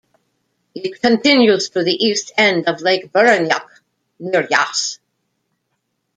It continues to the east end of Lake Burrunjuck near Yass.